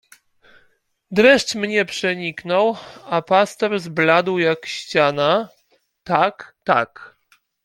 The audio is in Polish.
Dreszcz mnie przeniknął, a pastor zbladł jak ściana, tak, tak!